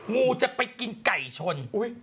งูจะไปกินไก่ชน